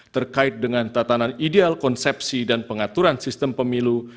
terkait dengan tatanan ideal konsepsi dan pengaturan sistem pemilu